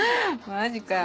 マジかよ